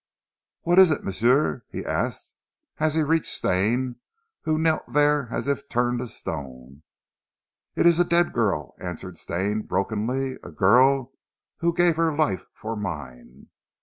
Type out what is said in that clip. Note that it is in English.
"What ees it, m'sieu?" he asked as he reached Stane who knelt there as if turned to stone. "It is a dead girl," answered Stane, brokenly "a girl who gave her life for mine."